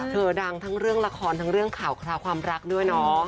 เธอดังทั้งเรื่องละครทั้งเรื่องข่าวคราวความรักด้วยเนาะ